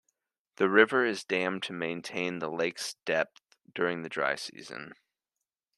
The river is dammed to maintain the lake's depth during the dry season.